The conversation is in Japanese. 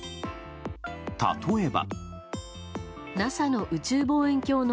例えば。